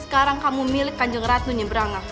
sekarang kamu milik kanjeng ratu nyebrang